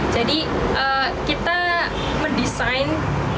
jadi kita mendesain mukena yang beda dari yang lain